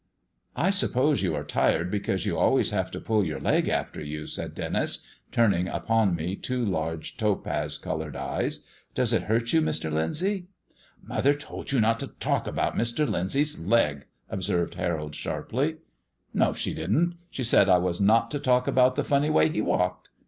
"I s'pose you are tired because you always have to pull your leg after you," said Denis, turning upon me two large topaz coloured eyes. "Does it hurt you, Mr. Lyndsay?" "Mother told you not to talk about Mr. Lyndsay's leg," observed Harold sharply. "No, she didn't; she said I was not to talk about the funny way he walked.